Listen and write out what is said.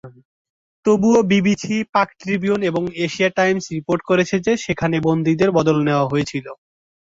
তবুও, "BBC", "Pak Tribune", এবং "Asia Times" report করেছে যে সেখানে বন্দীদের বদল নেওয়া হয়েছিল।